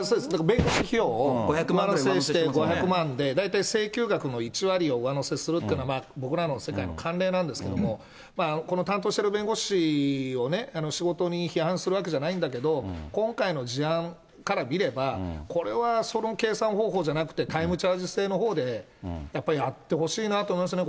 弁護士費用を上乗せして５００万で、大体、請求額の１割を上乗せするっていうのが、僕らの世界の慣例なんですけども、この担当してる弁護士をね、仕事を批判するわけじゃないけども、今回の事案から見れば、これは、その計算方法じゃなくて、タイムチャージ制のほうで、やっぱりやってほしいなと思いますね。